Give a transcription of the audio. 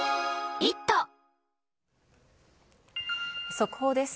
速報です。